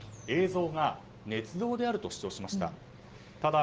映像がねつ造であると主張しました。